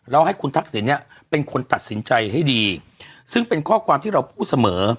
ให้คุณทักษิณเนี่ยเป็นคนตัดสินใจให้ดีซึ่งเป็นข้อความที่เราพูดเสมอ